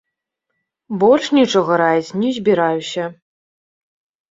Больш нічога раіць не збіраюся.